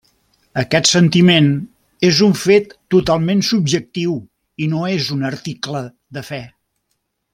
Aquest sentiment és un fet totalment subjectiu i no és un article de fe.